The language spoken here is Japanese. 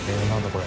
これ。